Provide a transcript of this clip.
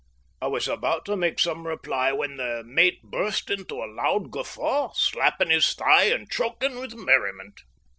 I was about to make some reply when the mate burst into a loud guffaw, slapping his thigh and choking with merriment.